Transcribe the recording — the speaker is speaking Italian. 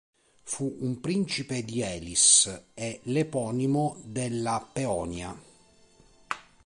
Fu un principe di Elis e l'eponimo della Peonia.